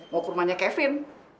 mau ke rumahnya kevin